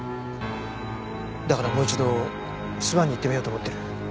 だからもう一度諏訪に行ってみようと思ってる。